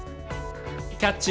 「『キャッチ！